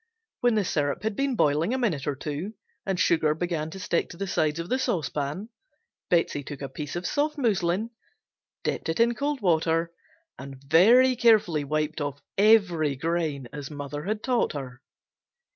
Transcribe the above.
When the syrup had been boiling a minute or two and sugar began to stick to the sides of the saucepan, Betsey took a piece of soft muslin, dipped it in cold water and very carefully wiped off every grain, as mother had taught her.